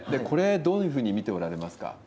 これ、どういうふうに見ておられますか？